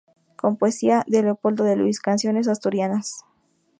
Con poesía de Leopoldo de Luis, "Canciones Asturianas".